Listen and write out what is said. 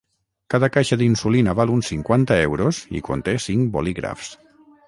Cada caixa d’insulina val uns cinquanta euros i conté cinc bolígrafs.